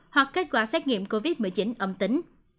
hoặc kết quả xét nghiệm covid một mươi chín âm tính